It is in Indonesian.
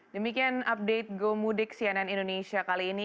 demikian update gomudik cnn indonesia kali ini